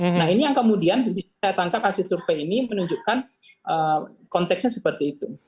nah ini yang kemudian bisa saya tangkap hasil survei ini menunjukkan konteksnya seperti itu